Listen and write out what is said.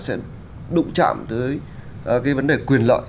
sẽ đụng chạm tới cái vấn đề quyền lợi